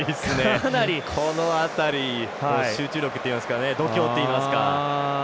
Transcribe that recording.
この辺り集中力っていいますか度胸っていいますか。